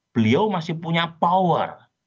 beliau masih punya power